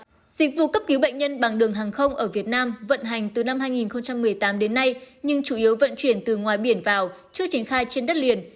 các dịch vụ cấp cứu bệnh nhân bằng đường hàng không ở việt nam vận hành từ năm hai nghìn một mươi tám đến nay nhưng chủ yếu vận chuyển từ ngoài biển vào chưa triển khai trên đất liền